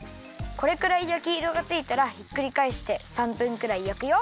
これくらいやきいろがついたらひっくりかえして３分くらいやくよ。